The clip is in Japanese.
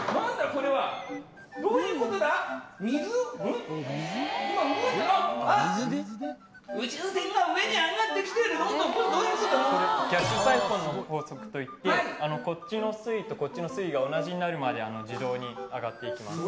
これ逆サイフォンの法則といってこっちの水位とこっちの水位が同じになるまで自動に上がっていきます